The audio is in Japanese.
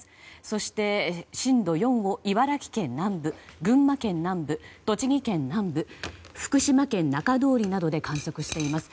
そして、震度４を茨城県南部群馬県南部栃木県南部、福島県中通りなどで観測しています。